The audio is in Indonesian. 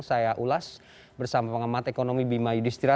saya ulas bersama pengamat ekonomi bima yudhistira